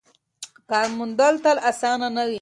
کار موندل تل اسانه نه وي.